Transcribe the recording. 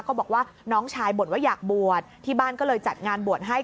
บอกว่าน้องชายบ่นว่าอยากบวชที่บ้านก็เลยจัดงานบวชให้